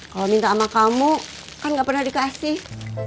kalau minta sama kamu kan gak pernah dikasih